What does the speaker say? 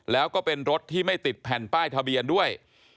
แล้วก็เป็นรถที่ไม่ติดแผ่นป้ายทะเบียนด้วย